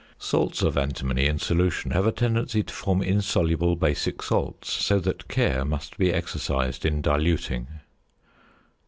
Salts of antimony in solution have a tendency to form insoluble basic salts; so that care must be exercised in diluting.